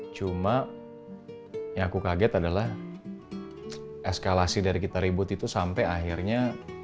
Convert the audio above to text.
cuma yang aku kaget adalah eskalasi dari kita ribut itu sampai akhirnya